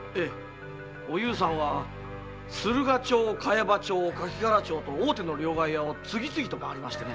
おゆうさんは駿河町茅場町蠣殻町と大手の両替屋を次々と回りましてね